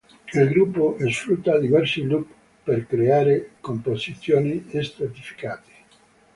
Il gruppo sfrutta diversi loop per creare composizioni stratificate.